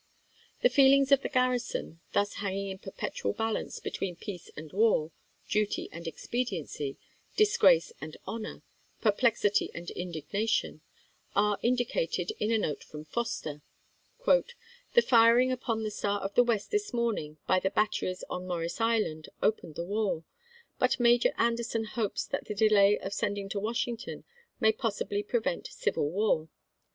The feelings of the garrison, thus hanging in perpetual balance be tween peace and war, duty and expediency, dis grace and honor, perplexity and indignation, are indicated in a note from Foster :" The firing upon the Star of the West this morning by the batteries ANDEKSON'S TRUCE 109 on Morris Island opened the war, but Major An chap.viii. derson hopes that the delay of sending to Wash ington may possibly prevent civil war.